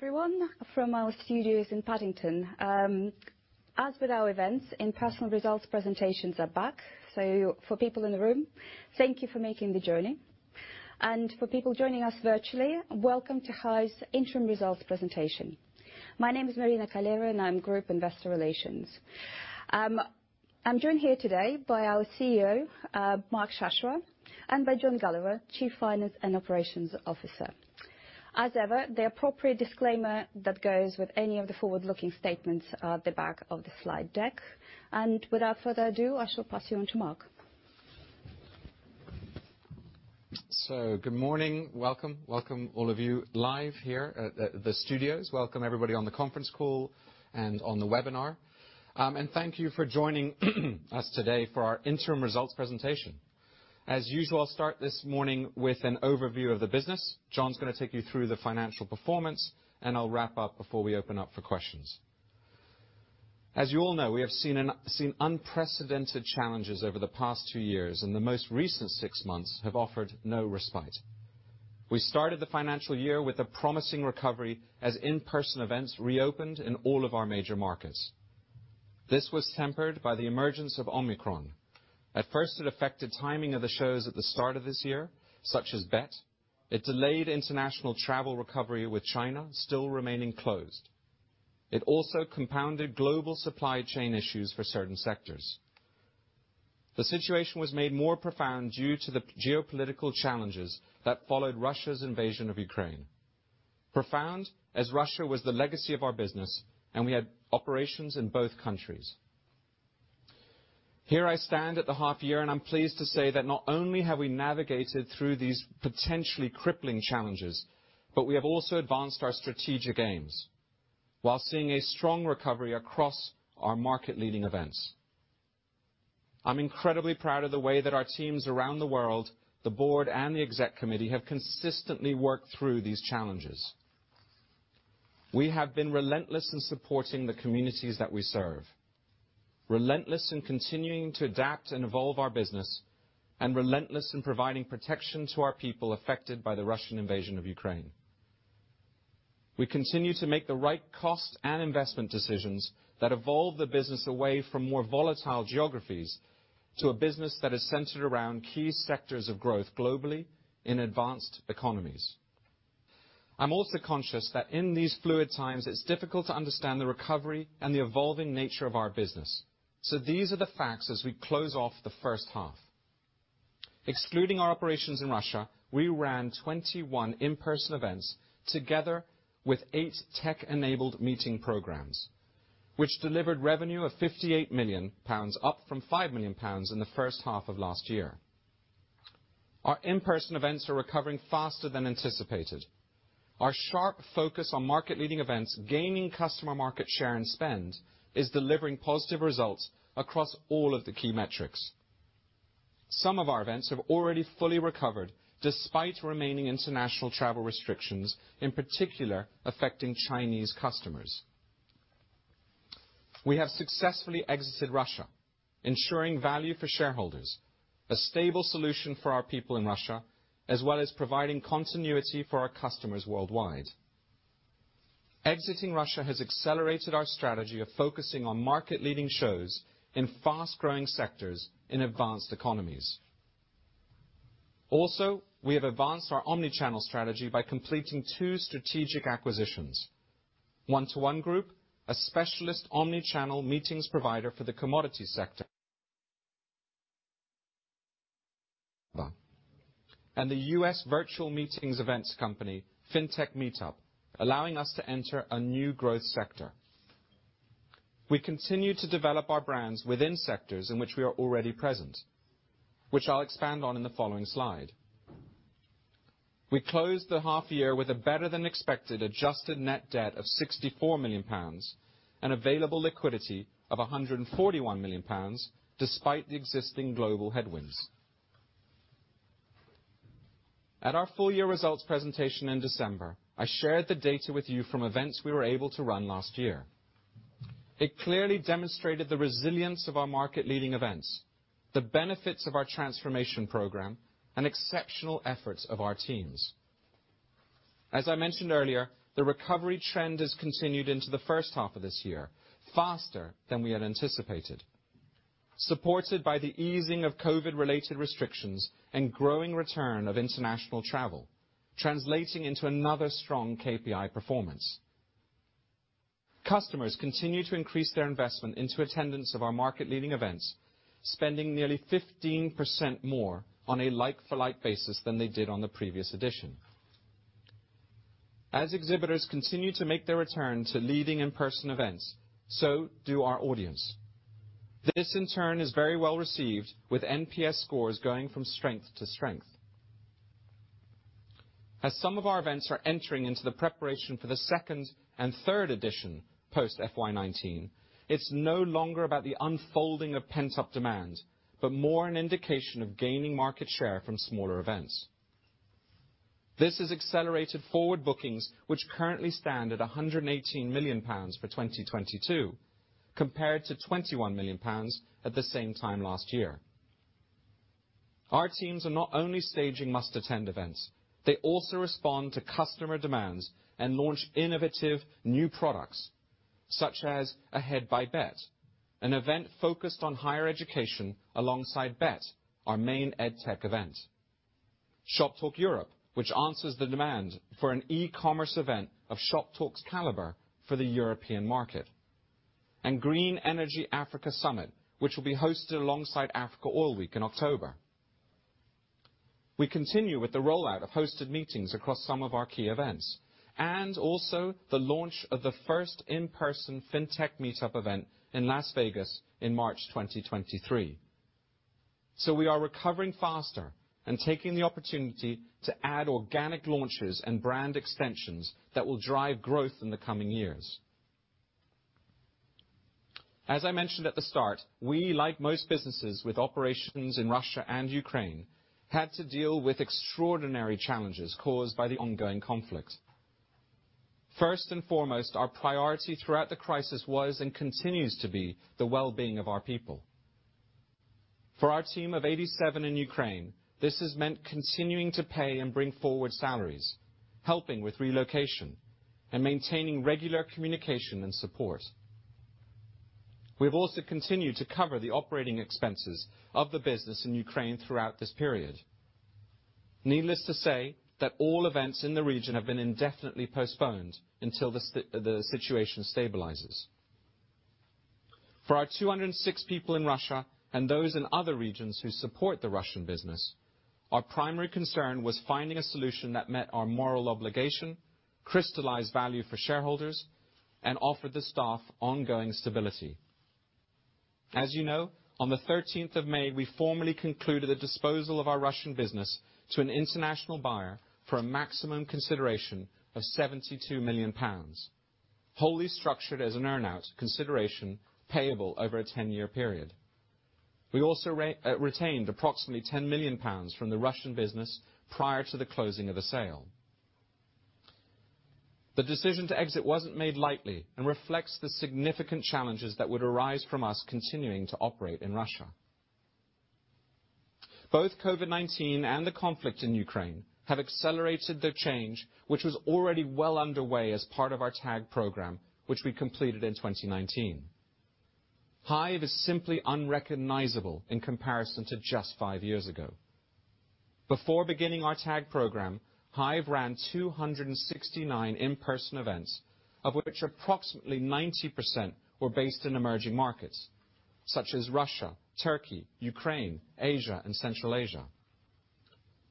Good morning, everyone, from our studios in Paddington. As with our events, in-person results presentations are back. For people in the room, thank you for making the journey. For people joining us virtually, welcome to Hyve's interim results presentation. My name is Marina Calero, and I'm Group Investor Relations. I'm joined here today by our CEO, Mark Shashoua, and by John Gulliver, Chief Finance and Operations Officer. As ever, the appropriate disclaimer that goes with any of the forward-looking statements are at the back of the slide deck. Without further ado, I shall pass you on to Mark. Good morning. Welcome. Welcome, all of you live here at the studios. Welcome, everybody on the conference call and on the webinar. Thank you for joining us today for our interim results presentation. As usual, I'll start this morning with an overview of the business. John's gonna take you through the financial performance, and I'll wrap up before we open up for questions. As you all know, we have seen unprecedented challenges over the past two years, and the most recent six months have offered no respite. We started the financial year with a promising recovery as in-person events reopened in all of our major markets. This was tempered by the emergence of Omicron. At first, it affected timing of the shows at the start of this year, such as Bett. It delayed international travel recovery, with China still remaining closed. It also compounded global supply chain issues for certain sectors. The situation was made more profound due to the geopolitical challenges that followed Russia's invasion of Ukraine, as Russia was the legacy of our business, and we had operations in both countries. Here I stand at the half year, and I'm pleased to say that not only have we navigated through these potentially crippling challenges, but we have also advanced our strategic aims while seeing a strong recovery across our market-leading events. I'm incredibly proud of the way that our teams around the world, the board, and the exec committee have consistently worked through these challenges. We have been relentless in supporting the communities that we serve, relentless in continuing to adapt and evolve our business, and relentless in providing protection to our people affected by the Russian invasion of Ukraine. We continue to make the right cost and investment decisions that evolve the business away from more volatile geographies to a business that is centered around key sectors of growth globally in advanced economies. I'm also conscious that in these fluid times, it's difficult to understand the recovery and the evolving nature of our business. These are the facts as we close off the H1. Excluding our operations in Russia, we ran 21 in-person events, together with 8 tech-enabled meeting programs, which delivered revenue of 58 million pounds, up from 5 million pounds in the H1 of last year. Our in-person events are recovering faster than anticipated. Our sharp focus on market-leading events, gaining customer market share and spend is delivering positive results across all of the key metrics. Some of our events have already fully recovered, despite remaining international travel restrictions, in particular affecting Chinese customers. We have successfully exited Russia, ensuring value for shareholders, a stable solution for our people in Russia, as well as providing continuity for our customers worldwide. Exiting Russia has accelerated our strategy of focusing on market-leading shows in fast-growing sectors in advanced economies. Also, we have advanced our omni-channel strategy by completing two strategic acquisitions. 121 Group, a specialist omni-channel meetings provider for the commodities sector. And the US virtual meetings and events company, Fintech Meetup, allowing us to enter a new growth sector. We continue to develop our brands within sectors in which we are already present, which I'll expand on in the following slide. We closed the half year with a better than expected adjusted net debt of 64 million pounds and available liquidity of 141 million pounds, despite the existing global headwinds. At our full year results presentation in December, I shared the data with you from events we were able to run last year. It clearly demonstrated the resilience of our market-leading events, the benefits of our transformation program, and exceptional efforts of our teams. As I mentioned earlier, the recovery trend has continued into the H1 of this year, faster than we had anticipated. Supported by the easing of COVID-related restrictions and growing return of international travel, translating into another strong KPI performance. Customers continue to increase their investment into attendance of our market-leading events, spending nearly 15% more on a like-for-like basis than they did on the previous edition. As exhibitors continue to make their return to leading in-person events, so do our audience. This, in turn, is very well received, with NPS scores going from strength to strength. As some of our events are entering into the preparation for the second and third edition post FY19, it's no longer about the unfolding of pent-up demand, but more an indication of gaining market share from smaller events. This has accelerated forward bookings, which currently stand at 118 million pounds for 2022, compared to 21 million pounds at the same time last year. Our teams are not only staging must-attend events, they also respond to customer demands and launch innovative new products, such as Ahead by Bett, an event focused on higher education alongside Bett, our main EdTech event, Shoptalk Europe, which answers the demand for an e-commerce event of Shoptalk's caliber for the European market, and Green Energy Africa Summit, which will be hosted alongside Africa Oil Week in October. We continue with the rollout of hosted meetings across some of our key events, and also the launch of the first in-person Fintech Meetup event in Las Vegas in March 2023. We are recovering faster and taking the opportunity to add organic launches and brand extensions that will drive growth in the coming years. As I mentioned at the start, we, like most businesses with operations in Russia and Ukraine, had to deal with extraordinary challenges caused by the ongoing conflict. First and foremost, our priority throughout the crisis was and continues to be the well-being of our people. For our team of 87 in Ukraine, this has meant continuing to pay and bring forward salaries, helping with relocation, and maintaining regular communication and support. We've also continued to cover the operating expenses of the business in Ukraine throughout this period. Needless to say, all events in the region have been indefinitely postponed until the situation stabilizes. For our 206 people in Russia and those in other regions who support the Russian business, our primary concern was finding a solution that met our moral obligation, crystallized value for shareholders, and offered the staff ongoing stability. As you know, on the thirteenth of May, we formally concluded the disposal of our Russian business to an international buyer for a maximum consideration of 72 million pounds, wholly structured as an earn-out consideration payable over a ten-year period. We also retained approximately 10 million pounds from the Russian business prior to the closing of the sale. The decision to exit wasn't made lightly and reflects the significant challenges that would arise from us continuing to operate in Russia. Both COVID-19 and the conflict in Ukraine have accelerated the change, which was already well underway as part of our TAG program, which we completed in 2019. Hyve is simply unrecognizable in comparison to just five years ago. Before beginning our TAG program, Hyve ran 269 in-person events, of which approximately 90% were based in emerging markets, such as Russia, Turkey, Ukraine, Asia, and Central Asia.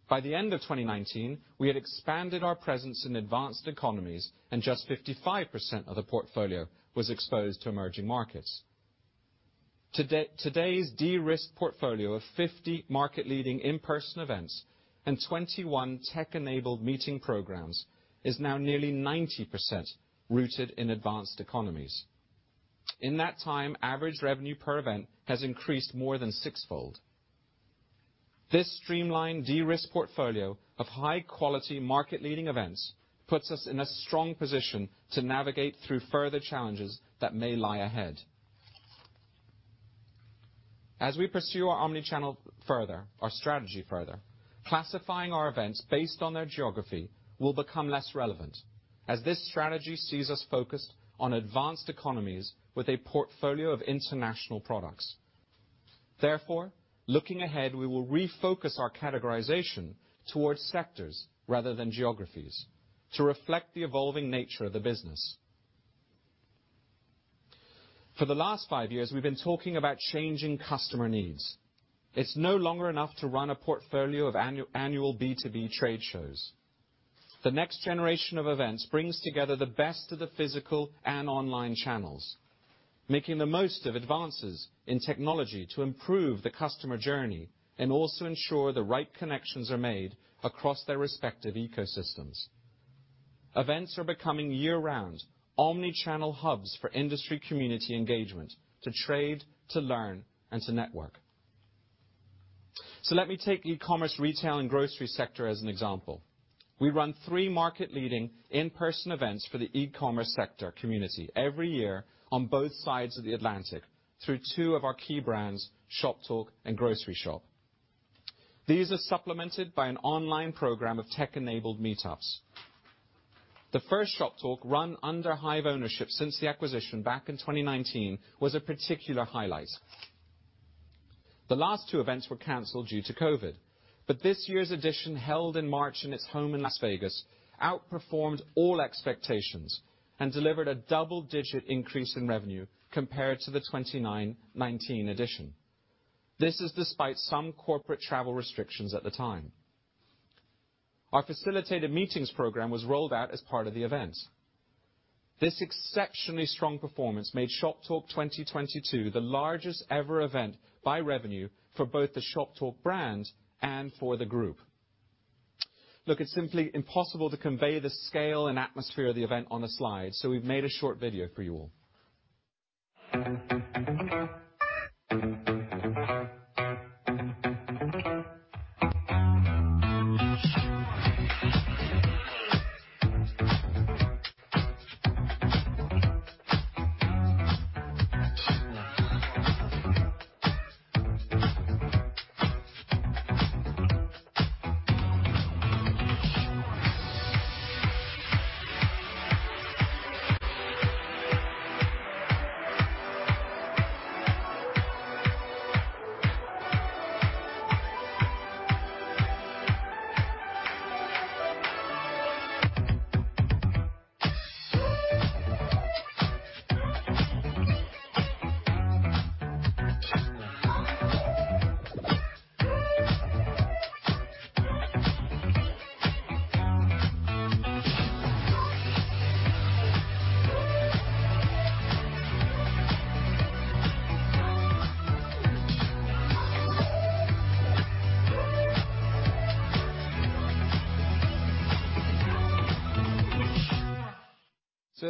By the end of 2019, we had expanded our presence in advanced economies and just 55% of the portfolio was exposed to emerging markets. Today's de-risked portfolio of 50 market-leading in-person events and 21 tech-enabled meeting programs is now nearly 90% rooted in advanced economies. In that time, average revenue per event has increased more than sixfold. This streamlined de-risked portfolio of high-quality market-leading events puts us in a strong position to navigate through further challenges that may lie ahead. As we pursue our omnichannel further, our strategy further, classifying our events based on their geography will become less relevant, as this strategy sees us focused on advanced economies with a portfolio of international products. Therefore, looking ahead, we will refocus our categorization towards sectors rather than geographies to reflect the evolving nature of the business. For the last five years, we've been talking about changing customer needs. It's no longer enough to run a portfolio of annual B2B trade shows. The next generation of events brings together the best of the physical and online channels, making the most of advances in technology to improve the customer journey and also ensure the right connections are made across their respective ecosystems. Events are becoming year-round, omni-channel hubs for industry community engagement, to trade, to learn, and to network. Let me take e-commerce, retail, and grocery sector as an example. We run 3 market-leading in-person events for the e-commerce sector community every year on both sides of the Atlantic through two of our key brands, Shoptalk and Groceryshop. These are supplemented by an online program of tech-enabled meetups. The first Shoptalk run under Hyve ownership since the acquisition back in 2019 was a particular highlight. The last two events were canceled due to COVID, but this year's edition, held in March in its home in Las Vegas, outperformed all expectations and delivered a double-digit increase in revenue compared to the 2019 edition. This is despite some corporate travel restrictions at the time. Our facilitated meetings program was rolled out as part of the event. This exceptionally strong performance made Shoptalk 2022 the largest ever event by revenue for both the Shoptalk brand and for the group. Look, it's simply impossible to convey the scale and atmosphere of the event on a slide, so we've made a short video for you all.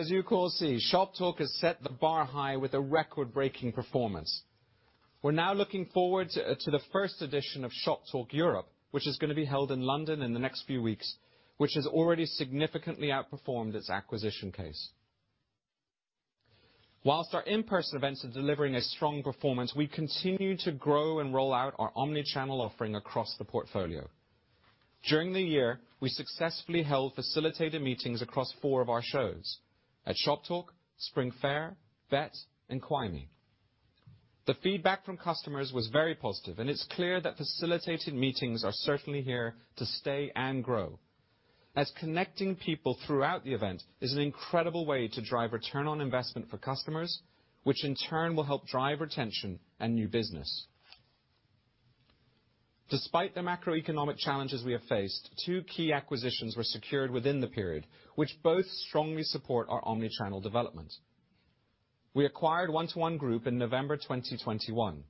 As you can all see, Shoptalk has set the bar high with a record-breaking performance. We're now looking forward to the first edition of Shoptalk Europe, which is gonna be held in London in the next few weeks, which has already significantly outperformed its acquisition case. While our in-person events are delivering a strong performance, we continue to grow and roll out our omni-channel offering across the portfolio. During the year, we successfully held facilitated meetings across four of our shows, at Shoptalk, Spring Fair, Bett, and Glee. The feedback from customers was very positive, and it's clear that facilitated meetings are certainly here to stay and grow, as connecting people throughout the event is an incredible way to drive return on investment for customers, which in turn will help drive retention and new business. Despite the macroeconomic challenges we have faced, two key acquisitions were secured within the period, which both strongly support our omnichannel development. We acquired 121 Group in November 2021.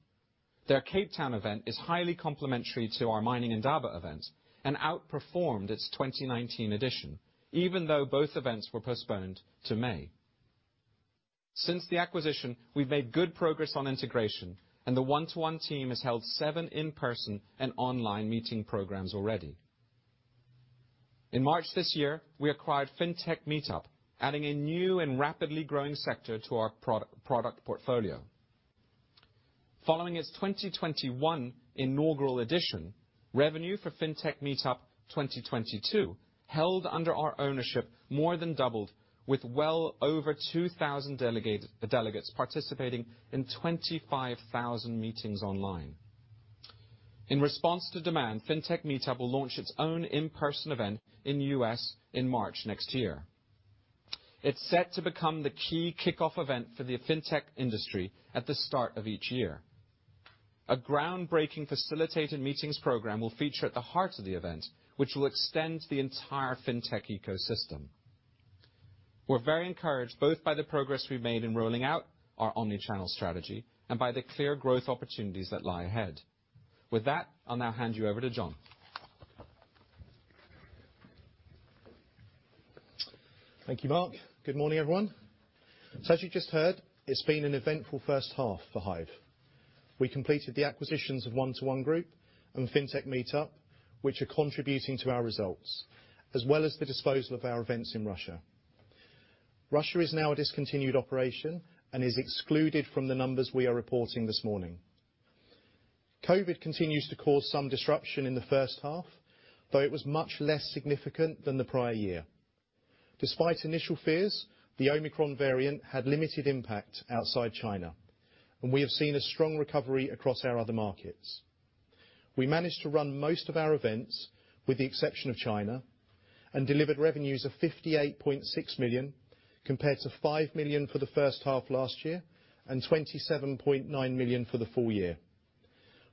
Their Cape Town event is highly complementary to our Mining Indaba event, and outperformed its 2019 edition, even though both events were postponed to May. Since the acquisition, we've made good progress on integration, and the 121 team has held seven in-person and online meeting programs already. In March this year, we acquired Fintech Meetup, adding a new and rapidly growing sector to our product portfolio. Following its 2021 inaugural edition, revenue for Fintech Meetup 2022, held under our ownership, more than doubled with well over 2,000 delegates participating in 25,000 meetings online. In response to demand, Fintech Meetup will launch its own in-person event in the U.S. in March next year. It's set to become the key kickoff event for the fintech industry at the start of each year. A groundbreaking facilitated meetings program will feature at the heart of the event, which will extend to the entire fintech ecosystem. We're very encouraged, both by the progress we've made in rolling out our omni-channel strategy and by the clear growth opportunities that lie ahead. With that, I'll now hand you over to John. Thank you, Mark. Good morning, everyone. As you just heard, it's been an eventful H1 for Hyve. We completed the acquisitions of 121 Group and Fintech Meetup, which are contributing to our results, as well as the disposal of our events in Russia. Russia is now a discontinued operation and is excluded from the numbers we are reporting this morning. COVID continues to cause some disruption in the H1, though it was much less significant than the prior year. Despite initial fears, the Omicron variant had limited impact outside China, and we have seen a strong recovery across our other markets. We managed to run most of our events, with the exception of China, and delivered revenues of 58.6 million, compared to 5 million for the H1 last year, and 27.9 million for the full year.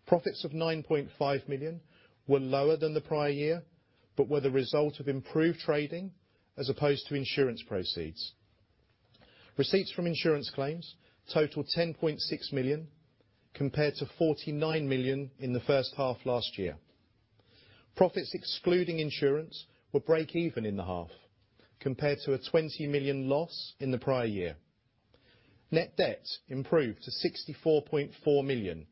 Profits of 9.5 million were lower than the prior year, but were the result of improved trading, as opposed to insurance proceeds. Receipts from insurance claims totaled 10.6 million, compared to 49 million in the H1 last year. Profits excluding insurance were break even in the half, compared to a 20 million loss in the prior year. Net debt improved to 64.4 million,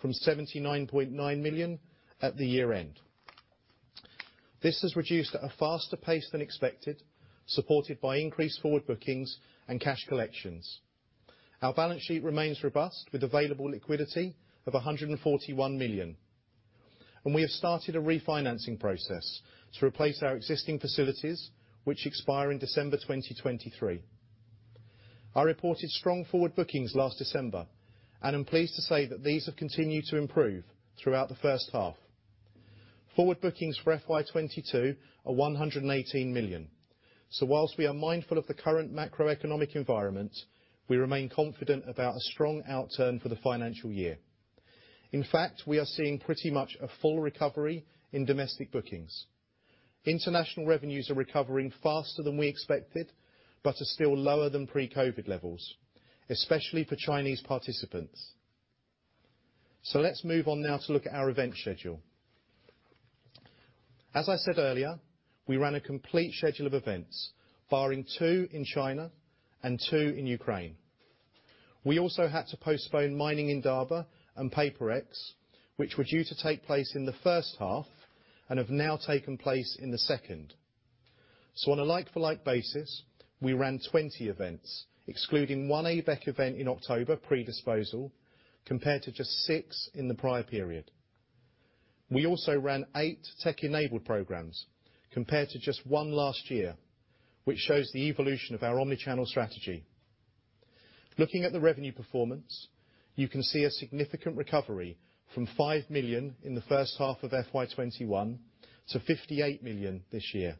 from 79.9 million at the year-end. This has reduced at a faster pace than expected, supported by increased forward bookings and cash collections. Our balance sheet remains robust with available liquidity of 141 million, and we have started a refinancing process to replace our existing facilities, which expire in December 2023. I reported strong forward bookings last December, and I'm pleased to say that these have continued to improve throughout the H1. Forward bookings for FY22 are 118 million. While we are mindful of the current macroeconomic environment, we remain confident about a strong outturn for the financial year. In fact, we are seeing pretty much a full recovery in domestic bookings. International revenues are recovering faster than we expected, but are still lower than pre-COVID levels, especially for Chinese participants. Let's move on now to look at our event schedule. As I said earlier, we ran a complete schedule of events, barring two in China and two in Ukraine. We also had to postpone Mining Indaba and Paperex, which were due to take place in the H1 and have now taken place in the second. On a like-for-like basis, we ran 20 events, excluding one ABEC event in October pre-disposal, compared to just 6 in the prior period. We also ran eight tech-enabled programs compared to just one last year, which shows the evolution of our omni-channel strategy. Looking at the revenue performance, you can see a significant recovery from 5 million in the H1 of FY21 to 58 million this year.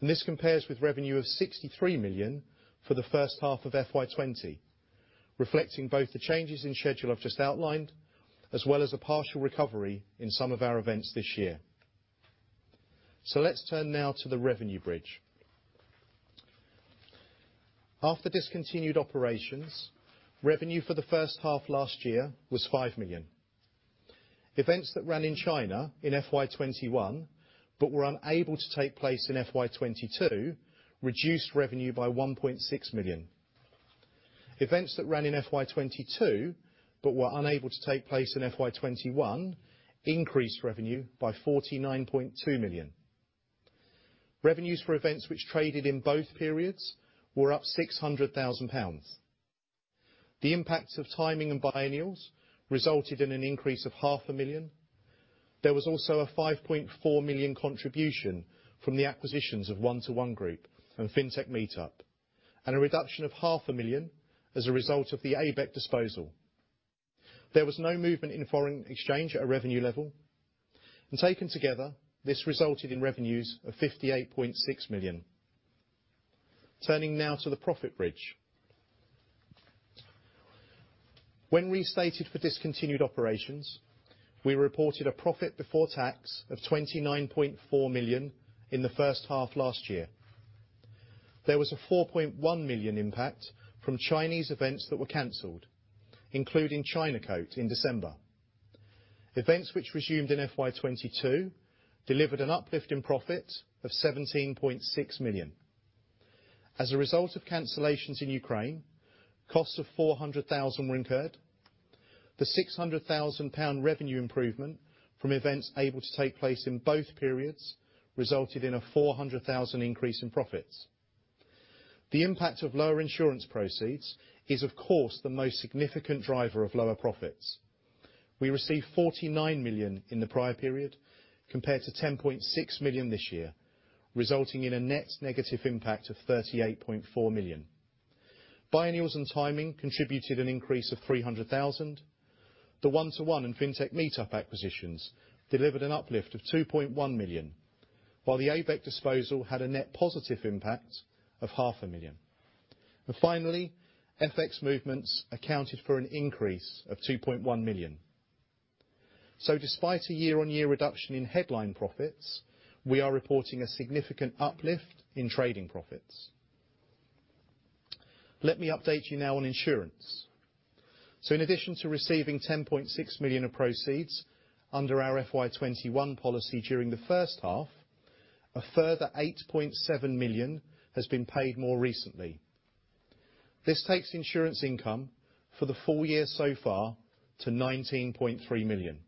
This compares with revenue of 63 million for the H1 of FY20, reflecting both the changes in schedule I've just outlined, as well as a partial recovery in some of our events this year. Let's turn now to the revenue bridge. After discontinued operations, revenue for the H1 last year was 5 million. Events that ran in China in FY21 but were unable to take place in FY22 reduced revenue by 1.6 million. Events that ran in FY22 but were unable to take place in FY21 increased revenue by 49.2 million. Revenues for events which traded in both periods were up 600 thousand pounds. The impact of timing and biennials resulted in an increase of half a million GBP. There was also a 5.4 million contribution from the acquisitions of 121 Group and Fintech Meetup, and a reduction of half a million GBP as a result of the ABEC disposal. There was no movement in foreign exchange at a revenue level. Taken together, this resulted in revenues of 58.6 million. Turning now to the profit bridge. When restated for discontinued operations, we reported a profit before tax of 29.4 million in the H1 last year. There was a 4.1 million impact from Chinese events that were canceled, including CHINACOAT in December. Events which resumed in FY22 delivered an uplift in profit of 17.6 million. As a result of cancellations in Ukraine, costs of 400 thousand were incurred. The 600 thousand pound revenue improvement from events able to take place in both periods resulted in a 400 thousand increase in profits. The impact of lower insurance proceeds is of course the most significant driver of lower profits. We received 49 million in the prior period compared to 10.6 million this year, resulting in a net negative impact of 38.4 million. Biennials and timing contributed an increase of 300 thousand. The 121 Group and Fintech Meetup acquisitions delivered an uplift of 2.1 million, while the ABEC disposal had a net positive impact of GBP half a million. Finally, FX movements accounted for an increase of 2.1 million. Despite a year-on-year reduction in headline profits, we are reporting a significant uplift in trading profits. Let me update you now on insurance. In addition to receiving 10.6 million of proceeds under our FY21 policy during the H1, a further 8.7 million has been paid more recently. This takes insurance income for the full year so far to 19.3 million.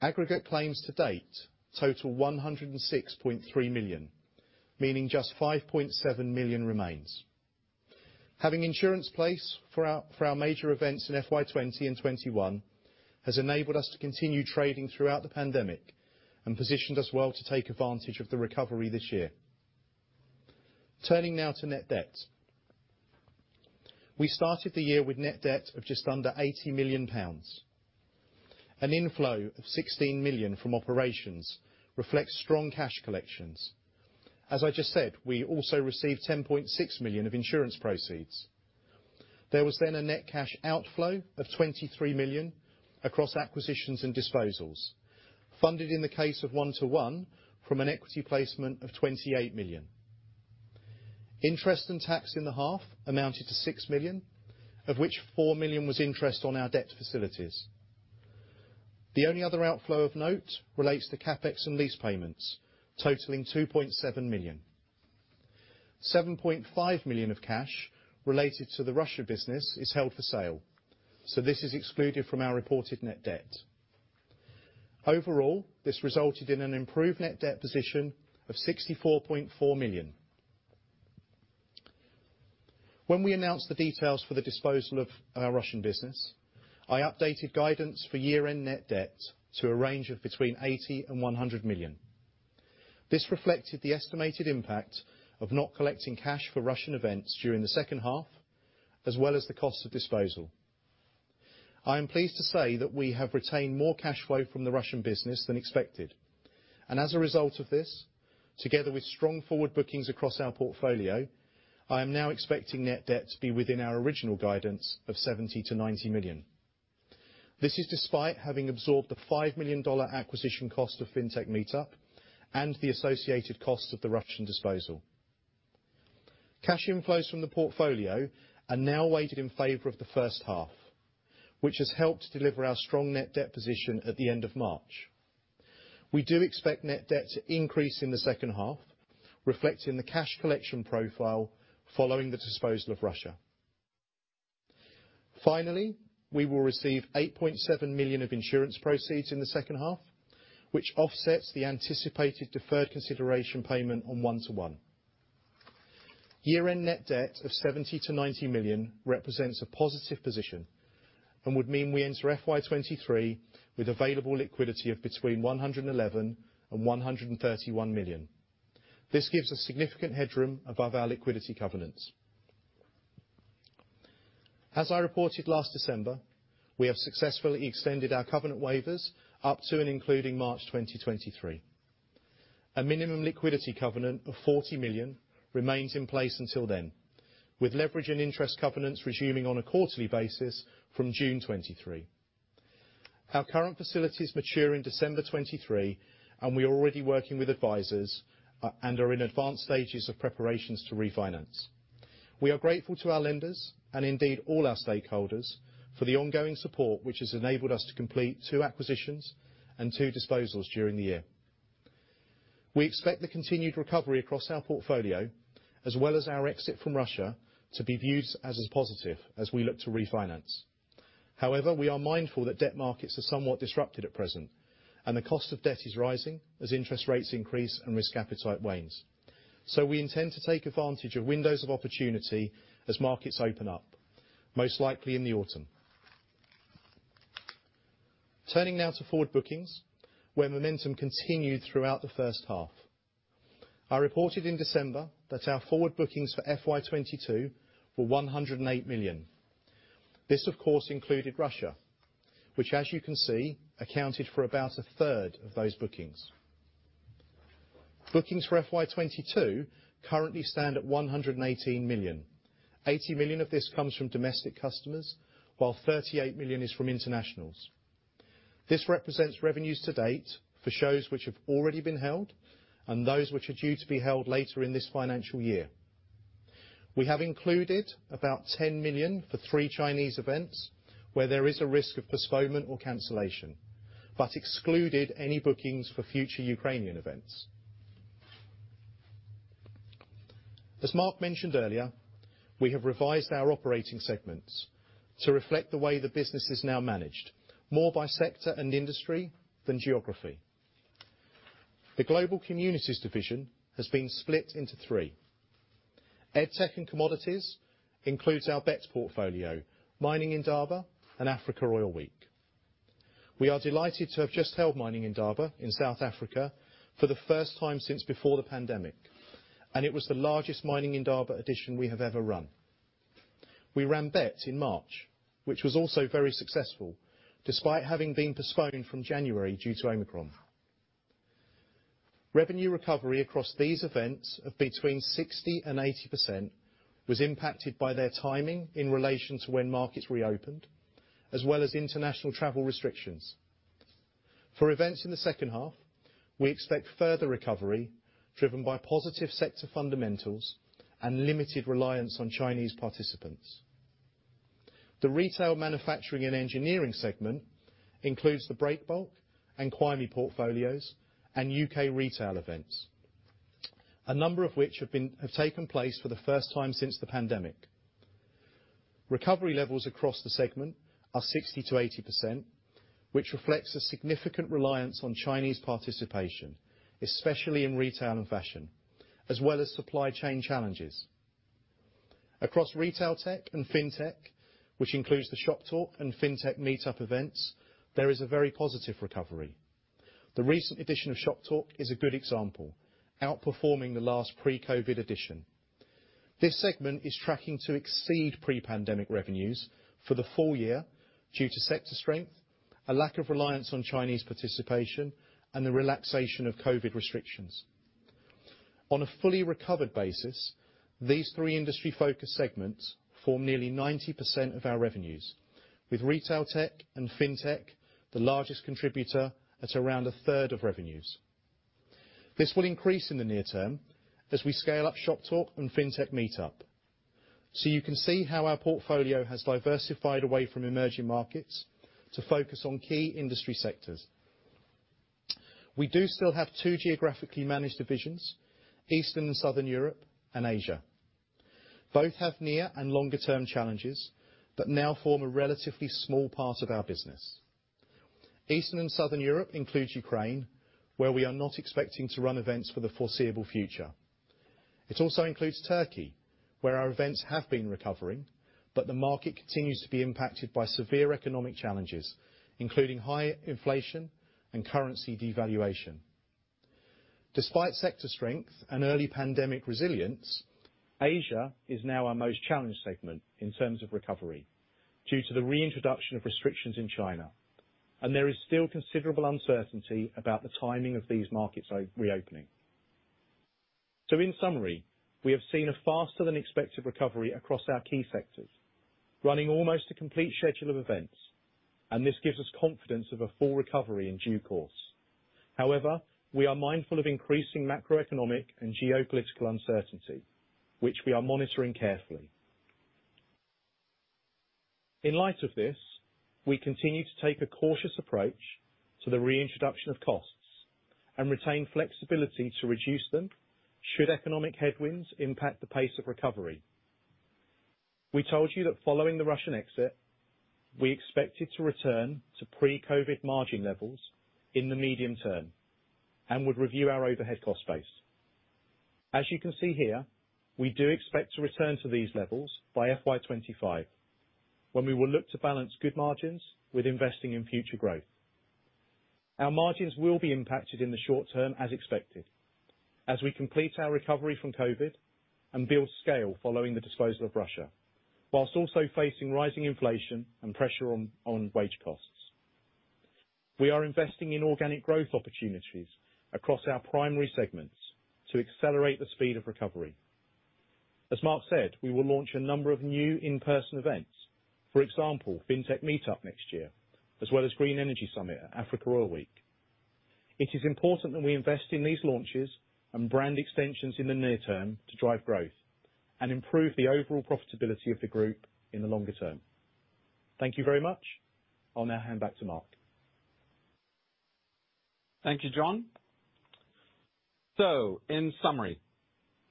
Aggregate claims to date total 106.3 million, meaning just 5.7 million remains. Having insurance placed for our major events in FY20 and FY21 has enabled us to continue trading throughout the pandemic, and positioned us well to take advantage of the recovery this year. Turning now to net debt. We started the year with net debt of just under 80 million pounds. An inflow of 16 million from operations reflects strong cash collections. As I just said, we also received 10.6 million of insurance proceeds. There was a net cash outflow of 23 million across acquisitions and disposals, funded in the case of 121 Group from an equity placement of 28 million. Interest and tax in the half amounted to 6 million, of which 4 million was interest on our debt facilities. The only other outflow of note relates to CapEx and lease payments, totaling 2.7 million. 7.5 million of cash related to the Russia business is held for sale, so this is excluded from our reported net debt. Overall, this resulted in an improved net debt position of 64.4 million. When we announced the details for the disposal of our Russian business, I updated guidance for year-end net debt to a range of between 80 million and 100 million. This reflected the estimated impact of not collecting cash for Russian events during the H2, as well as the cost of disposal. I am pleased to say that we have retained more cash flow from the Russian business than expected. As a result of this, together with strong forward bookings across our portfolio, I am now expecting net debt to be within our original guidance of 70-90 million. This is despite having absorbed the $5 million acquisition cost of Fintech Meetup and the associated costs of the Russian disposal. Cash inflows from the portfolio are now weighted in favor of the H1, which has helped deliver our strong net debt position at the end of March. We do expect net debt to increase in the H2, reflecting the cash collection profile following the disposal of Russia. Finally, we will receive 8.7 million of insurance proceeds in the H2, which offsets the anticipated deferred consideration payment on 121. Year-end net debt of 70 million-90 million represents a positive position, and would mean we enter FY23 with available liquidity of between 111 million and 131 million. This gives a significant headroom above our liquidity covenants. As I reported last December, we have successfully extended our covenant waivers up to and including March 2023. A minimum liquidity covenant of 40 million remains in place until then, with leverage and interest covenants resuming on a quarterly basis from June 2023. Our current facilities mature in December 2023, and we are already working with advisors and are in advanced stages of preparations to refinance. We are grateful to our lenders, and indeed all our stakeholders, for the ongoing support which has enabled us to complete two acquisitions and two disposals during the year. We expect the continued recovery across our portfolio, as well as our exit from Russia, to be viewed as positive as we look to refinance. However, we are mindful that debt markets are somewhat disrupted at present, and the cost of debt is rising as interest rates increase and risk appetite wanes. We intend to take advantage of windows of opportunity as markets open up, most likely in the autumn. Turning now to forward bookings, where momentum continued throughout the H1. I reported in December that our forward bookings for FY22 were 108 million. This of course included Russia, which as you can see, accounted for about a third of those bookings. Bookings for FY22 currently stand at 118 million. 80 million of this comes from domestic customers, while 38 million is from internationals. This represents revenues to date for shows which have already been held and those which are due to be held later in this financial year. We have included about 10 million for three Chinese events where there is a risk of postponement or cancellation, but excluded any bookings for future Ukrainian events. As Mark mentioned earlier, we have revised our operating segments to reflect the way the business is now managed, more by sector and industry than geography. The global communities division has been split into three. EdTech and Commodities includes our Bett portfolio, Mining Indaba and Africa Oil Week. We are delighted to have just held Mining Indaba in South Africa for the first time since before the pandemic, and it was the largest Mining Indaba edition we have ever run. We ran Bett in March, which was also very successful, despite having been postponed from January due to Omicron. Revenue recovery across these events of between 60% and 80% was impacted by their timing in relation to when markets reopened, as well as international travel restrictions. For events in the H2, we expect further recovery driven by positive sector fundamentals and limited reliance on Chinese participants. The Retail, Manufacturing and Engineering segment includes the Breakbulk and CWIEME portfolios and UK retail events, a number of which have taken place for the first time since the pandemic. Recovery levels across the segment are 60%-80%, which reflects a significant reliance on Chinese participation, especially in retail and fashion, as well as supply chain challenges. Across Retail Tech and Fintech, which includes the Shoptalk and Fintech Meetup events, there is a very positive recovery. The recent edition of Shoptalk is a good example, outperforming the last pre-COVID edition. This segment is tracking to exceed pre-pandemic revenues for the full year due to sector strength, a lack of reliance on Chinese participation, and the relaxation of COVID restrictions. On a fully recovered basis, these three industry focus segments form nearly 90% of our revenues, with Retail Tech and Fintech the largest contributor at around 1/3 of revenues. This will increase in the near term as we scale up Shoptalk and Fintech Meetup. You can see how our portfolio has diversified away from emerging markets to focus on key industry sectors. We do still have two geographically managed divisions, Eastern and Southern Europe and Asia. Both have near and longer-term challenges, but now form a relatively small part of our business. Eastern and Southern Europe includes Ukraine, where we are not expecting to run events for the foreseeable future. It also includes Turkey, where our events have been recovering, but the market continues to be impacted by severe economic challenges, including high inflation and currency devaluation. Despite sector strength and early pandemic resilience, Asia is now our most challenged segment in terms of recovery due to the reintroduction of restrictions in China, and there is still considerable uncertainty about the timing of these markets reopening. In summary, we have seen a faster than expected recovery across our key sectors, running almost a complete schedule of events, and this gives us confidence of a full recovery in due course. However, we are mindful of increasing macroeconomic and geopolitical uncertainty, which we are monitoring carefully. In light of this, we continue to take a cautious approach to the reintroduction of costs. Retain flexibility to reduce them should economic headwinds impact the pace of recovery. We told you that following the Russian exit, we expected to return to pre-COVID margin levels in the medium term and would review our overhead cost base. As you can see here, we do expect to return to these levels by FY25, when we will look to balance good margins with investing in future growth. Our margins will be impacted in the short term as expected as we complete our recovery from COVID and build scale following the disposal of Russia, while also facing rising inflation and pressure on wage costs. We are investing in organic growth opportunities across our primary segments to accelerate the speed of recovery. As Mark said, we will launch a number of new in-person events, for example, Fintech Meetup next year, as well as Green Energy Africa Summit at Africa Oil Week. It is important that we invest in these launches and brand extensions in the near term to drive growth and improve the overall profitability of the group in the longer term. Thank you very much. I'll now hand back to Mark. Thank you, John. In summary,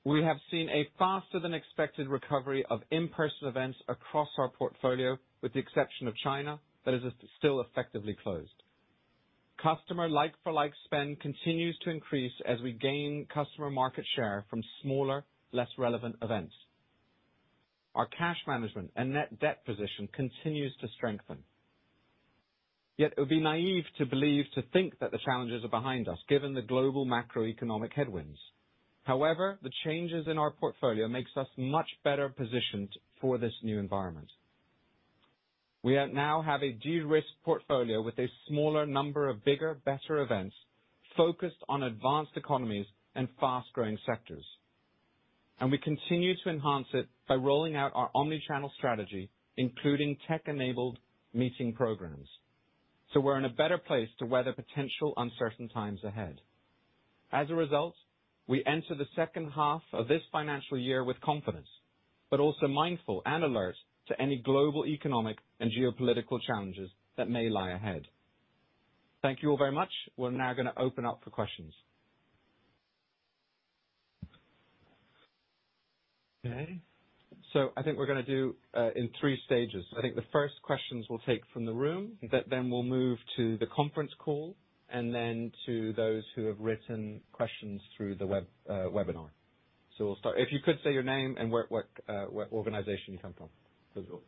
we have seen a faster than expected recovery of in-person events across our portfolio, with the exception of China that is still effectively closed. Customer like-for-like spend continues to increase as we gain customer market share from smaller, less relevant events. Our cash management and net debt position continues to strengthen. Yet it would be naive to believe, to think that the challenges are behind us, given the global macroeconomic headwinds. However, the changes in our portfolio makes us much better positioned for this new environment. We are now have a de-risked portfolio with a smaller number of bigger, better events focused on advanced economies and fast-growing sectors. We continue to enhance it by rolling out our omnichannel strategy, including tech-enabled meeting programs. We're in a better place to weather potential uncertain times ahead. As a result, we enter the H2 of this financial year with confidence, but also mindful and alert to any global economic and geopolitical challenges that may lie ahead. Thank you all very much. We're now gonna open up for questions. Okay. I think we're gonna do in three stages. I think the first questions we'll take from the room, then we'll move to the conference call and then to those who have written questions through the web, webinar. We'll start. If you could say your name and where, what organization you come from as well.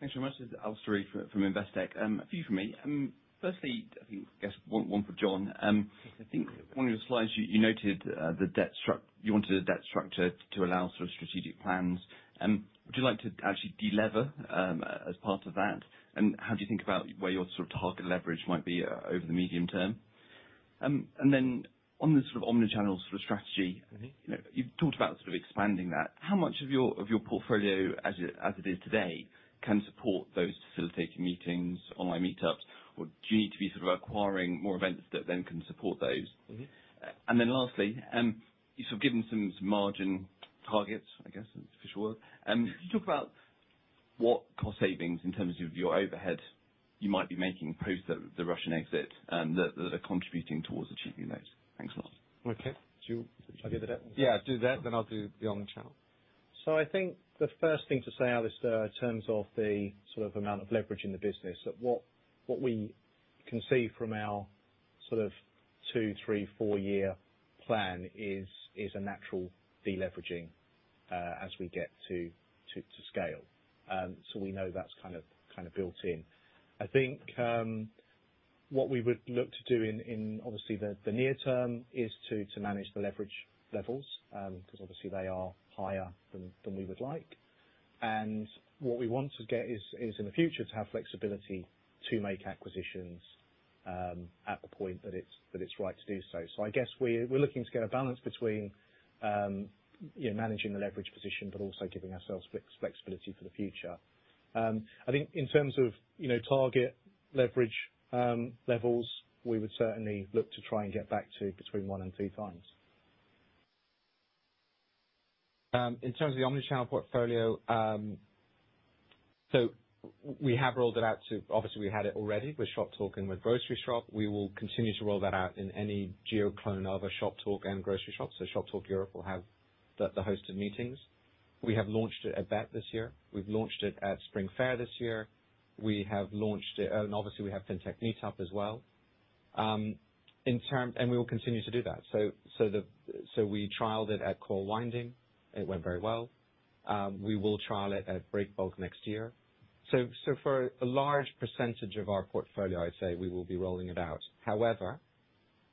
Thanks so much. This is Alistair from Investec. A few from me. Firstly, I think, I guess one for John. I think one of your slides you noted the debt structure you wanted a debt structure to allow sort of strategic plans. Would you like to actually de-lever as part of that? And how do you think about where your sort of target leverage might be over the medium term? Then on the sort of omnichannel sort of strategy- Mm-hmm. You know, you've talked about sort of expanding that. How much of your portfolio as it is today can support those facilitating meetings, online meetups? Or do you need to be sort of acquiring more events that then can support those? Mm-hmm. Lastly, you've sort of given some margin targets, I guess, overall. Could you talk about what cost savings in terms of your overhead you might be making post the Russian exit, that are contributing towards achieving those? Thanks a lot. Okay. Do you want to take that? I'll do that. Yeah, do that, then I'll do the omnichannel. I think the first thing to say, Alistair, in terms of the sort of amount of leverage in the business, that what we can see from our sort of 2, 3, 4-year plan is a natural deleveraging as we get to scale. We know that's kind of built in. I think what we would look to do in obviously the near term is to manage the leverage levels, 'cause obviously they are higher than we would like. What we want to get is in the future to have flexibility to make acquisitions at the point that it's right to do so. I guess we're looking to get a balance between you know, managing the leverage position, but also giving ourselves flexibility for the future. I think in terms of, you know, target leverage levels, we would certainly look to try and get back to between 1 and 2 times. In terms of the omnichannel portfolio, we have rolled it out to... Obviously we had it already with Shoptalk and with Groceryshop. We will continue to roll that out in any geo clone of a Shoptalk and Groceryshop, so Shoptalk Europe will have the hosted meetings. We have launched it at Bett this year. We have launched it at Spring Fair this year. We have launched it, and obviously we have Fintech Meetup as well. We will continue to do that. We trialed it at CWIEME, it went very well. We will trial it at Breakbulk next year. For a large percentage of our portfolio, I would say we will be rolling it out. However,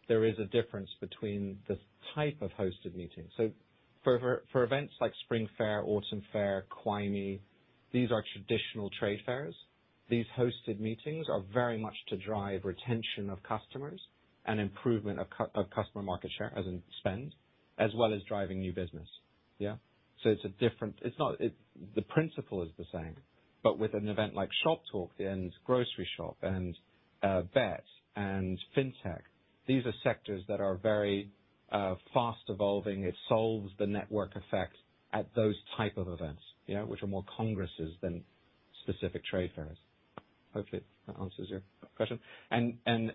there is a difference between the type of hosted meetings. For events like Spring Fair, Autumn Fair, Glee, these are traditional trade fairs. These hosted meetings are very much to drive retention of customers and improvement of customer market share as in spend, as well as driving new business. Yeah? It's a different. The principle is the same, but with an event like Shoptalk and Groceryshop and Bett and Fintech, these are sectors that are very fast evolving. It solves the network effect at those type of events, you know, which are more congresses than specific trade fairs. Hopefully that answers your question.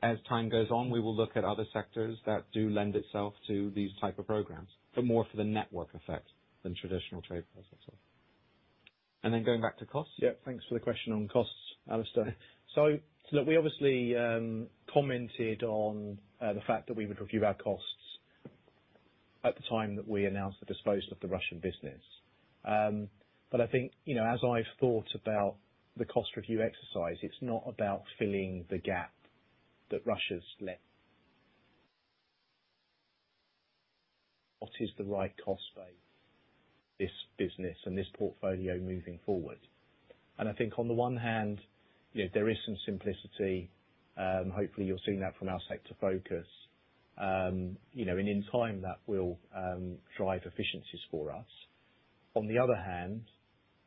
As time goes on, we will look at other sectors that do lend itself to these type of programs, for more the network effect than traditional trade processes. Going back to costs. Yeah, thanks for the question on costs, Alistair. Look, we obviously commented on the fact that we would review our costs at the time that we announced the disposal of the Russian business. I think, you know, as I've thought about the cost review exercise, it's not about filling the gap that Russia's left. What is the right cost base, this business and this portfolio moving forward? I think on the one hand, you know, there is some simplicity, hopefully you're seeing that from our sector focus. You know, and in time that will drive efficiencies for us. On the other hand,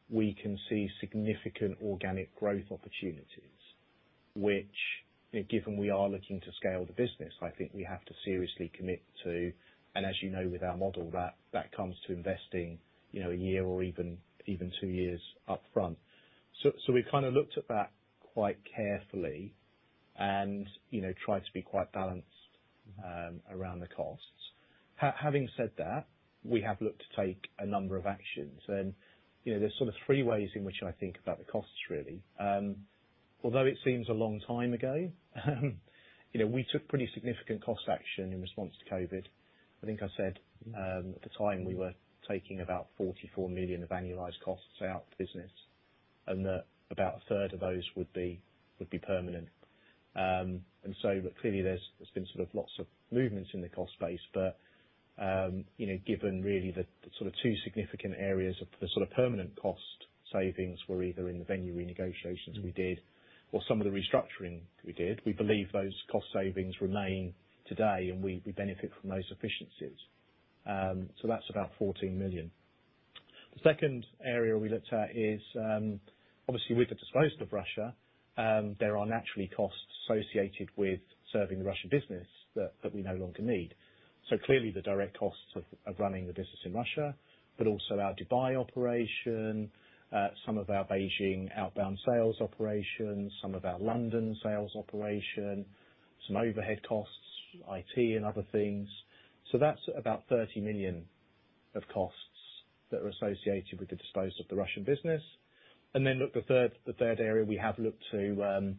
we can see significant organic growth opportunities, which, you know, given we are looking to scale the business, I think we have to seriously commit to. As you know, with our model, that comes to investing, you know, a year or even two years up front. We kind of looked at that quite carefully and, you know, tried to be quite balanced around the costs. Having said that, we have looked to take a number of actions and, you know, there's sort of three ways in which I think about the costs, really. Although it seems a long time ago, you know, we took pretty significant cost action in response to COVID. I think I said, at the time we were taking about 44 million of annualized costs out the business, and that about a third of those would be permanent. But clearly, there's been sort of lots of movements in the cost base. you know, given really the sort of two significant areas of the sort of permanent cost savings were either in the venue renegotiations we did or some of the restructuring we did, we believe those cost savings remain today, and we benefit from those efficiencies. That's about 14 million. The second area we looked at is obviously with the disposal of the Russian business, there are naturally costs associated with serving the Russian business that we no longer need. Clearly the direct costs of running the business in Russia, but also our Dubai operation, some of our Beijing outbound sales operations, some of our London sales operation, some overhead costs, IT and other things. That's about 30 million of costs that are associated with the disposal of the Russian business. Look, the third area we have looked to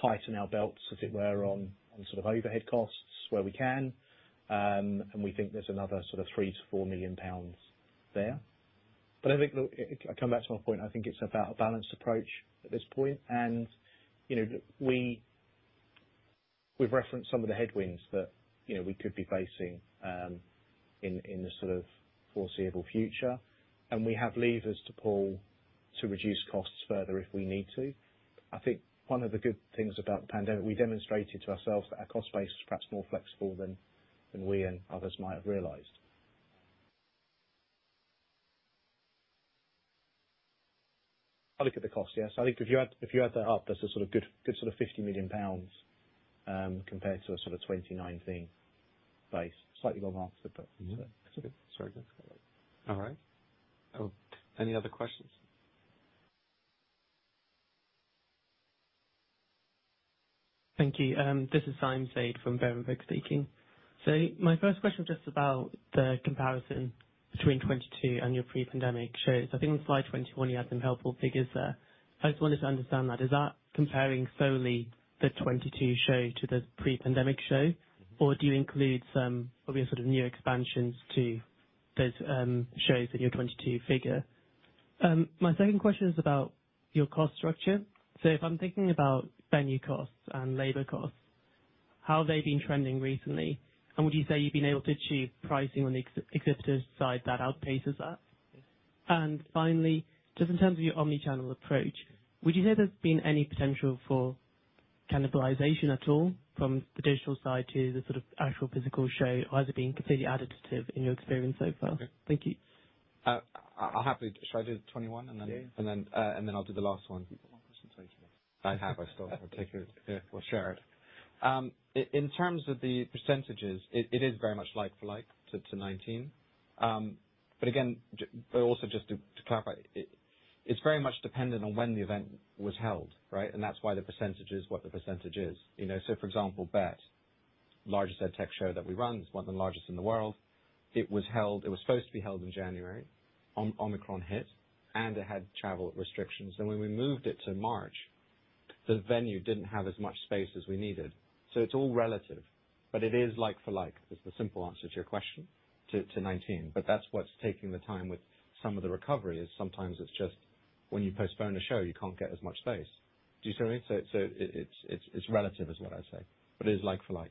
tighten our belts, as it were, on sort of overhead costs where we can. We think there's another sort of 3-4 million pounds there. I think, look, if I come back to my point, I think it's about a balanced approach at this point. You know, we've referenced some of the headwinds that, you know, we could be facing in the sort of foreseeable future. We have levers to pull to reduce costs further if we need to. I think one of the good things about the pandemic, we demonstrated to ourselves that our cost base is perhaps more flexible than we and others might have realized. I look at the cost, yes. I think if you add that up, that's a sort of good sort of 50 million pounds, compared to a sort of 2019 base. Slightly long answer, but. All right. Any other questions? Thank you. This is Simon Sheridan from Berenberg speaking. My first question, just about the comparison between 2022 and your pre-pandemic shows. I think on slide 21, you had some helpful figures there. I just wanted to understand that. Is that comparing solely the 2022 show to the pre-pandemic show, or do you include some obvious sort of new expansions to those shows in your 2022 figure? My second question is about your cost structure. If I'm thinking about venue costs and labor costs, how have they been trending recently? Would you say you've been able to achieve pricing on the exhibitors side that outpaces that? Finally, just in terms of your omnichannel approach, would you say there's been any potential for cannibalization at all from the digital side to the sort of actual physical show, or has it been completely additive in your experience so far? Okay. Thank you. I'll happily. Shall I do 21 and then? Yeah. I'll do the last one. You've got more presentation. I have. I still have to take it. Yeah, we'll share it. In terms of the percentages, it is very much like for like to 2019. But again, but also just to clarify, it's very much dependent on when the event was held, right? That's why the percentage is what the percentage is, you know? For example, Bett, largest EdTech show that we run, it's one of the largest in the world. It was held. It was supposed to be held in January. Omicron hit, and it had travel restrictions. When we moved it to March, the venue didn't have as much space as we needed. It's all relative, but it is like for like, is the simple answer to your question, to 2019. That's what's taking the time with some of the recovery is sometimes it's just, when you postpone a show, you can't get as much space. Do you see what I mean? It's relative, is what I say. It is like for like.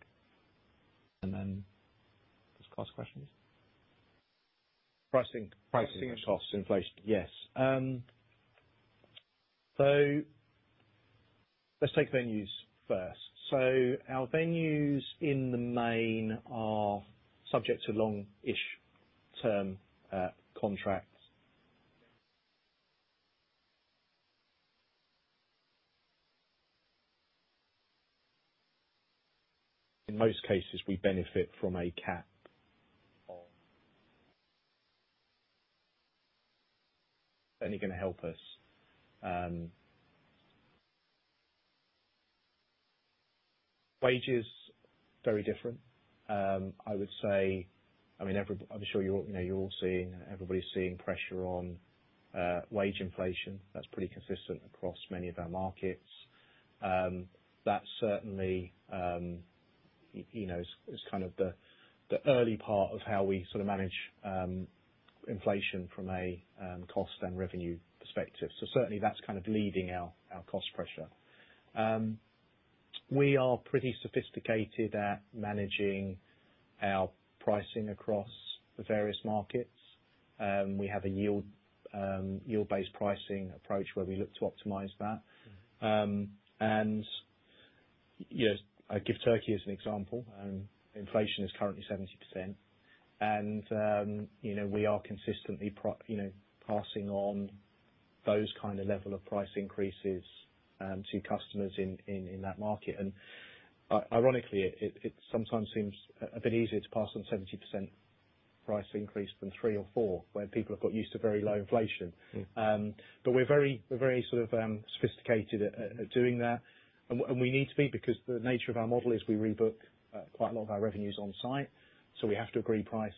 Then this cost question is? Pricing. Pricing. Cost inflation. Yes. Let's take venues first. Our venues in the main are subject to long-ish term contracts. In most cases, we benefit from a cap only gonna help us. Wages, very different. I would say, I mean, I'm sure you all, you know, you're all seeing, everybody's seeing pressure on wage inflation. That's pretty consistent across many of our markets. That certainly you know is kind of the early part of how we sort of manage inflation from a cost and revenue perspective. Certainly that's kind of leading our cost pressure. We are pretty sophisticated at managing our pricing across the various markets. We have a yield-based pricing approach where we look to optimize that. Yes, I give Turkey as an example, inflation is currently 70%. You know, we are consistently passing on those kind of level of price increases to customers in that market. Ironically, it sometimes seems a bit easier to pass on 70% price increase than 3 or 4, where people have got used to very low inflation. Mm. We're very sort of sophisticated at doing that. We need to be, because the nature of our model is we rebook quite a lot of our revenues on-site, so we have to agree price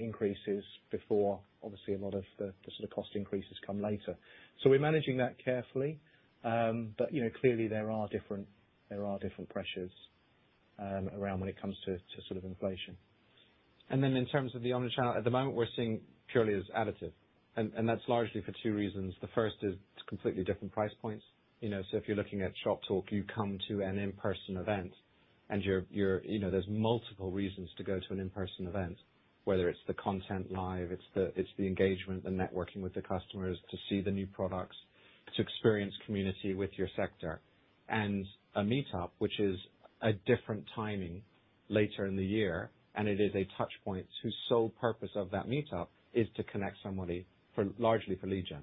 increases before, obviously, a lot of the sort of cost increases come later. We're managing that carefully. You know, clearly there are different pressures around when it comes to sort of inflation. In terms of the omni channel, at the moment, we're seeing purely as additive, and that's largely for two reasons. The first is it's completely different price points. You know, if you're looking at Shoptalk, you come to an in-person event, and you're you know, there's multiple reasons to go to an in-person event, whether it's the content live, it's the engagement, the networking with the customers to see the new products, to experience community with your sector. A meetup, which is a different timing later in the year, and it is a touch point whose sole purpose of that meetup is to connect somebody largely for lead gen.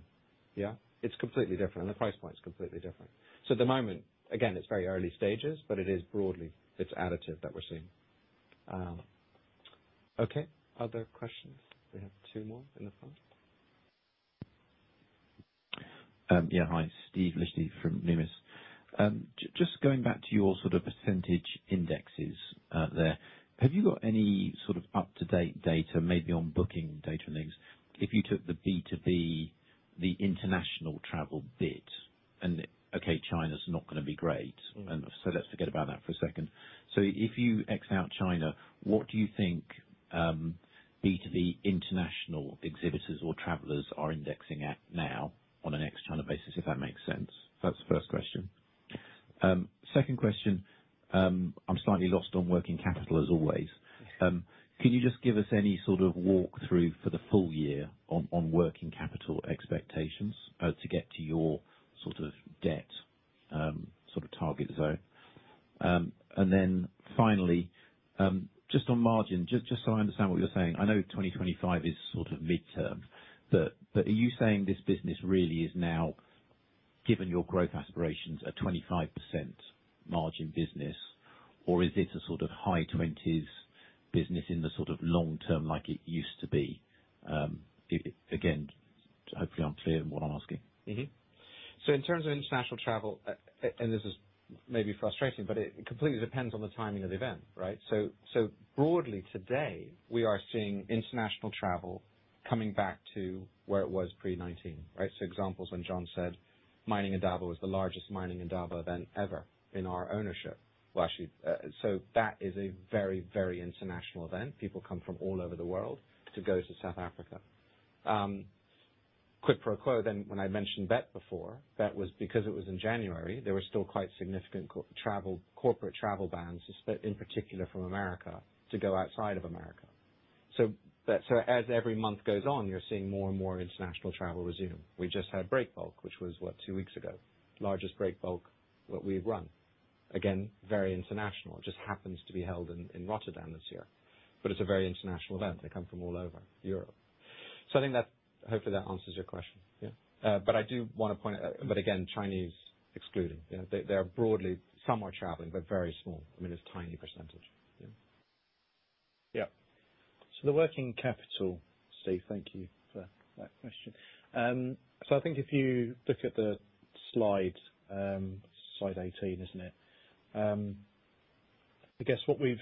Yeah? It's completely different, and the price point is completely different. At the moment, again, it's very early stages, but it is broadly, it's additive that we're seeing. Other questions? We have two more in the front. Hi, Steve Liechti from Numis. Just going back to your sort of percentage indexes, have you got any sort of up-to-date data, maybe on booking data links? If you took the B2B, the international travel bit and, okay, China's not gonna be great. Mm. Let's forget about that for a second. If you X out China, what do you think, B2B international exhibitors or travelers are indexing at now on an ex China basis, if that makes sense? That's the first question. Second question, I'm slightly lost on working capital as always. Yes. Could you just give us any sort of walk through for the full year on working capital expectations to get to your sort of debt target zone? And then finally, just on margin, just so I understand what you're saying, I know 2025 is sort of midterm, but are you saying this business really is now, given your growth aspirations, a 25% margin business? Or is it a sort of high twenties% business in the sort of long term like it used to be? Again, hopefully I'm clear in what I'm asking. Mm-hmm. In terms of international travel, and this is maybe frustrating, but it completely depends on the timing of the event, right? Broadly, today, we are seeing international travel coming back to where it was pre-COVID-19, right? Examples when John said Mining Indaba was the largest Mining Indaba event ever in our ownership. Well, actually, that is a very, very international event. People come from all over the world to go to South Africa. Quid pro quo then when I mentioned Bett before, that was because it was in January, there were still quite significant COVID corporate travel bans, especially in particular from America, to go outside of America. As every month goes on, you're seeing more and more international travel resume. We just had Breakbulk, which was, what? Two weeks ago. Largest Breakbulk that we've run. Again, very international. Just happens to be held in Rotterdam this year. It's a very international event. They come from all over Europe. I think that, hopefully that answers your question. Yeah. I do wanna point. Mm. Again, Chinese excluded. You know, they are broadly somewhat traveling, but very small. I mean, it's tiny percentage. Yeah. Yeah. The working capital, Steve, thank you for that question. I think if you look at the slide eighteen, isn't it? I guess what we've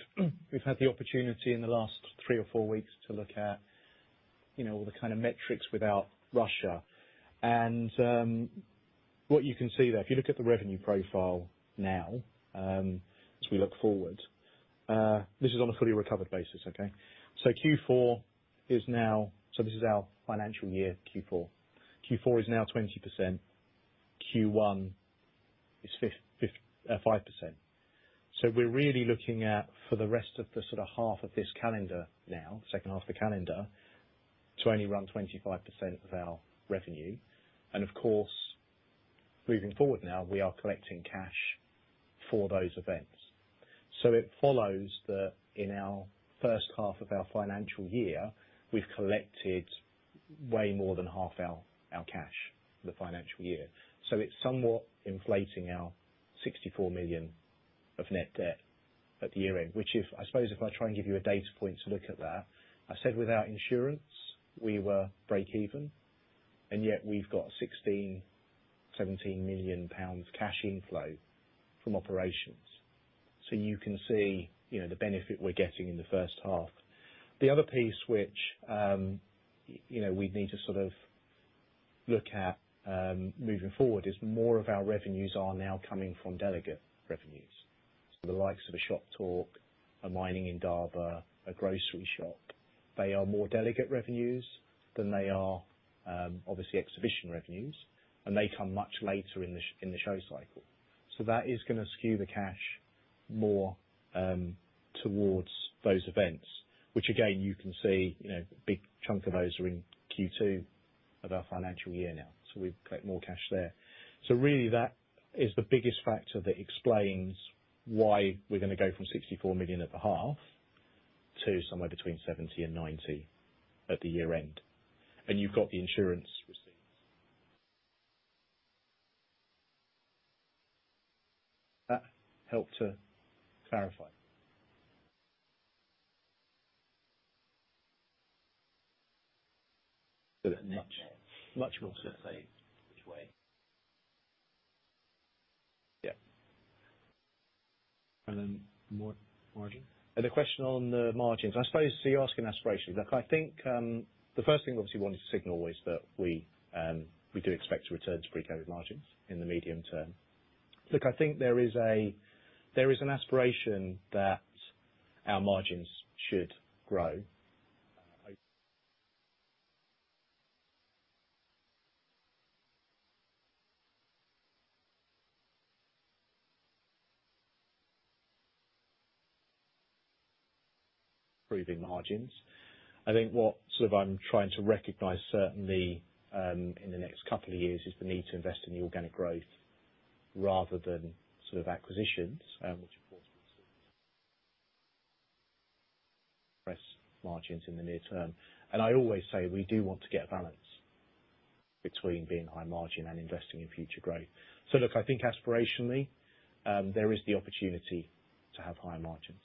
had the opportunity in the last three or four weeks to look at, you know, all the kinda metrics without Russia. What you can see there, if you look at the revenue profile now, as we look forward, this is on a fully recovered basis, okay? This is our financial year, Q4. Q4 is now 20%. Q1 is 5%. We're really looking at, for the rest of the sort of half of this calendar now, second half of the calendar, to only run 25% of our revenue. Of course, moving forward now, we are collecting cash for those events. It follows that in our H1 of our financial year, we've collected way more than half our cash for the financial year. It's somewhat inflating our 64 million of net debt at the year-end. I suppose if I try and give you a data point to look at that, I said without insurance, we were break even, and yet we've got 16-17 million pounds cash inflow from operations. You can see, you know, the benefit we're getting in the H1. The other piece which, you know, we'd need to sort of look at, moving forward is more of our revenues are now coming from delegate revenues. The likes of a Shoptalk, a Mining Indaba, a Groceryshop. They are more delegate revenues than they are, obviously exhibition revenues, and they come much later in the show cycle. That is gonna skew the cash more, towards those events, which again, you know, a big chunk of those are in Q2 of our financial year now. We collect more cash there. Really that is the biggest factor that explains why we're gonna go from 64 million at the half to somewhere between 70 million and 90 million at the year-end. You've got the insurance receipts. That help to clarify? bit much, much more To say which way. Yeah. Margin. The question on the margins. I suppose, so you're asking aspiration. Look, I think the first thing obviously we wanted to signal was that we do expect to return to pre-COVID margins in the medium term. Look, I think there is an aspiration that our margins should grow. Improving margins. I think what sort of I'm trying to recognize certainly in the next couple of years is the need to invest in the organic growth rather than sort of acquisitions, which of course will press margins in the near term. I always say we do want to get a balance between being high margin and investing in future growth. Look, I think aspirationally there is the opportunity to have higher margins.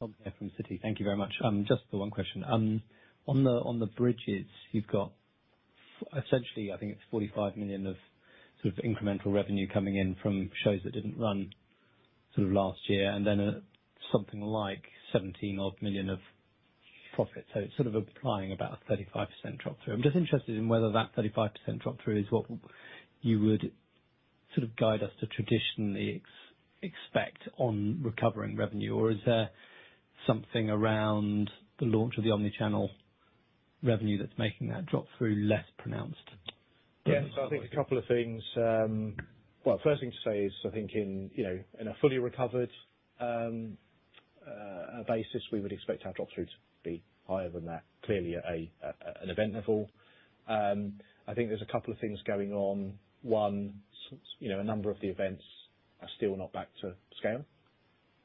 Tom here from Citi. Thank you very much. Just the one question. On the bridges, you've got essentially, I think it's 45 million of sort of incremental revenue coming in from shows that didn't run sort of last year, and then something like 17 million of profit. Sort of implying about a 35% drop through. I'm just interested in whether that 35% drop through is what you would sort of guide us to traditionally expect on recovering revenue, or is there something around the launch of the omnichannel revenue that's making that drop through less pronounced? Yes. I think a couple of things. Well, first thing to say is I think in, you know, in a fully recovered basis, we would expect our drop-through to be higher than that, clearly at an event level. I think there's a couple of things going on. One, you know, a number of the events are still not back to scale.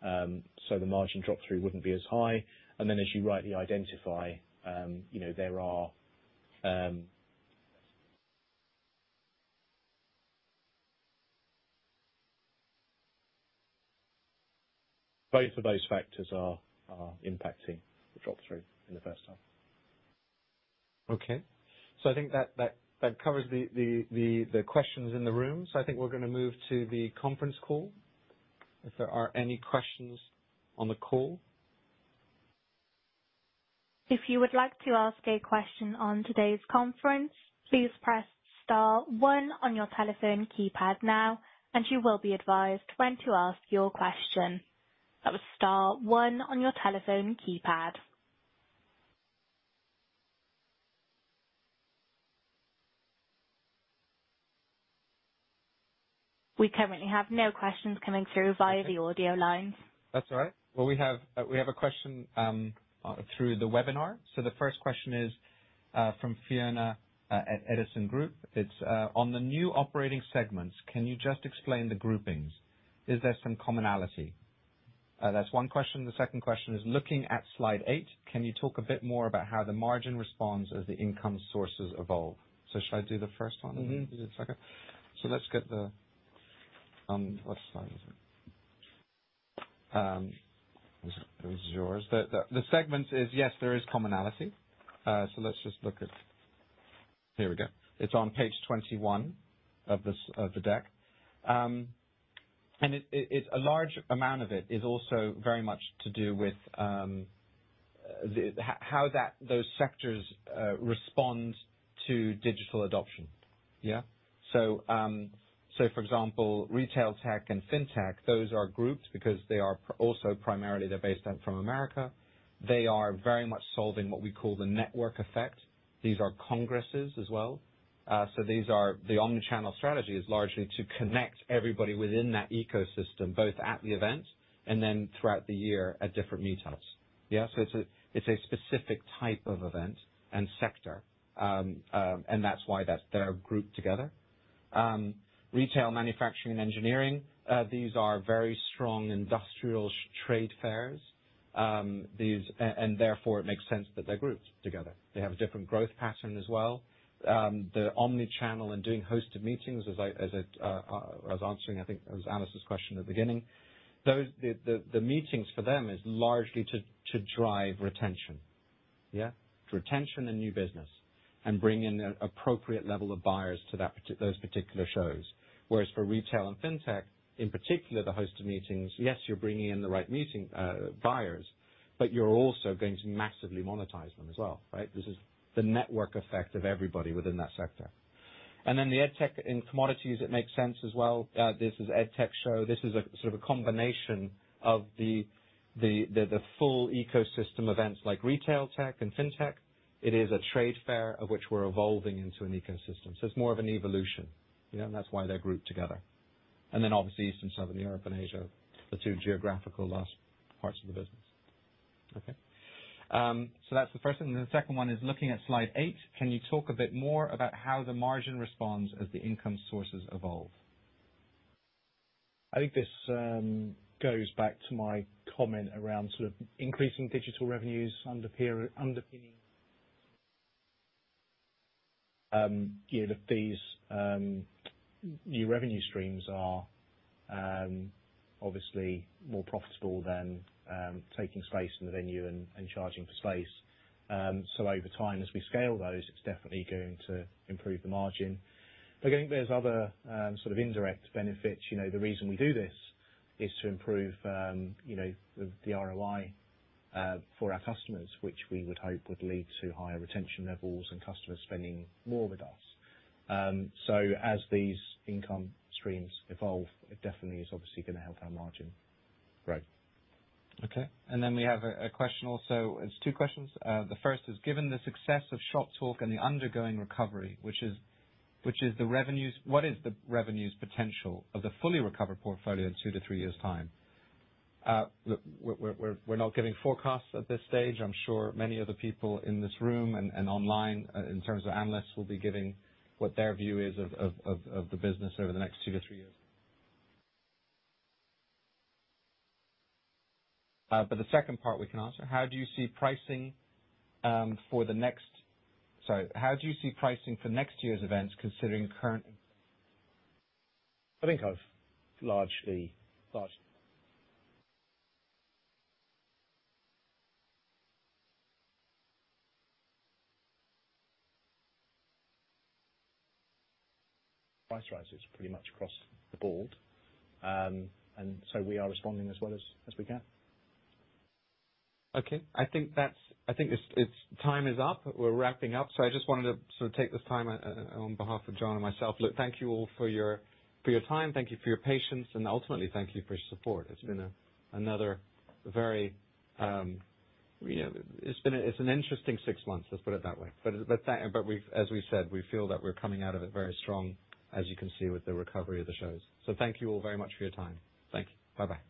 So the margin drop through wouldn't be as high. As you rightly identify, you know, there are both of those factors are impacting the drop through in the H1. Okay. I think that covers the questions in the room. I think we're gonna move to the conference call. If there are any questions on the call. If you would like to ask a question on today's conference, please press star one on your telephone keypad now, and you will be advised when to ask your question. That was star one on your telephone keypad. We currently have no questions coming through via the audio lines. That's all right. Well, we have a question through the webinar. The first question is from Fiona at Edison Group. It's on the new operating segments, can you just explain the groupings? Is there some commonality? That's one question. The second question is, looking at slide eight, can you talk a bit more about how the margin responds as the income sources evolve? Should I do the first one? Mm-hmm. You do the second? Let's get the what slide is it? This one is yours. The segment is, yes, there is commonality. Let's just look at. Here we go. It's on page 21 of this, of the deck. A large amount of it is also very much to do with how those sectors respond to digital adoption. Yeah? For example, retail tech and fintech, those are grouped because they are also primarily they're based out from America. They are very much solving what we call the network effect. These are congresses as well. The omnichannel strategy is largely to connect everybody within that ecosystem, both at the event and then throughout the year at different meetups. Yeah? It's a specific type of event and sector. That's why they're grouped together. Retail, manufacturing and engineering, these are very strong industrial trade fairs. Therefore it makes sense that they're grouped together. They have a different growth pattern as well. The omnichannel and doing hosted meetings as I was answering, I think it was Alex's question at the beginning. The meetings for them is largely to drive retention. Yeah. Retention and new business, and bring in an appropriate level of buyers to those particular shows. Whereas for retail and fintech, in particular, the hosted meetings, yes, you're bringing in the right buyers, but you're also going to massively monetize them as well, right? This is the network effect of everybody within that sector. Then the EdTech in commodities, it makes sense as well. This is EdTech show. This is a sort of combination of the full ecosystem events like Retail Tech and Fintech. It is a trade fair of which we're evolving into an ecosystem. It's more of an evolution, you know, and that's why they're grouped together. Obviously Eastern Southern Europe and Asia, the two geographical last parts of the business. Okay. That's the first one. The second one is looking at slide 8, can you talk a bit more about how the margin responds as the income sources evolve? I think this goes back to my comment around sort of increasing digital revenues underpinning. Yeah, these new revenue streams are obviously more profitable than taking space in the venue and charging for space. Over time, as we scale those, it's definitely going to improve the margin. I think there's other sort of indirect benefits. You know, the reason we do this is to improve you know the ROI for our customers, which we would hope would lead to higher retention levels and customers spending more with us. As these income streams evolve, it definitely is obviously gonna help our margin grow. Okay. Then we have a question also. It's two questions. The first is, given the success of Shoptalk and the ongoing recovery, what is the revenue potential of the fully recovered portfolio in two to three years time? Look, we're not giving forecasts at this stage. I'm sure many of the people in this room and online, in terms of analysts, will be giving what their view is of the business over the next two to three years. The second part we can answer. How do you see pricing for next year's events considering current? I think I've largely. Price rise is pretty much across the board. We are responding as well as we can. Okay. I think it's time's up. We're wrapping up. I just wanted to sort of take this time on behalf of John and myself. Look, thank you all for your time. Thank you for your patience, and ultimately, thank you for your support. It's been another very, you know, interesting six months, let's put it that way. We've, as we said, we feel that we're coming out of it very strong, as you can see, with the recovery of the shows. Thank you all very much for your time. Thank you. Bye-bye.